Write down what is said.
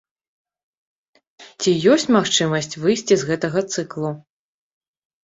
Ці ёсць магчымасць выйсці з гэтага цыклу?